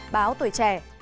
báo tuổi trẻ